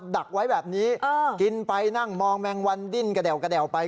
ดักไว้แบบนี้กินไปนั่งมองแมงวันดิ้นกระแวะไป